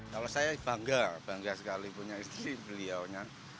kalau saya bangga bangga sekali punya istri beliaunya